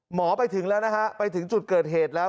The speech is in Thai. หมอไปถึงแล้วนะฮะไปถึงจุดเกิดเหตุแล้ว